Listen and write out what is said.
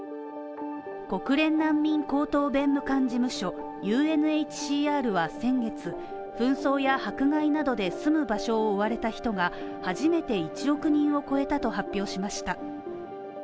国連難民高等弁務官事務所＝ＵＮＨＣＲは先月、紛争や迫害などで住む場所を追われた人が初めて１億人を超えたと発表しました。